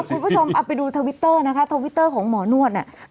คุณผู้ชมเอาไปดูทวิตเตอร์นะคะทวิตเตอร์ของหมอนวดเนี่ย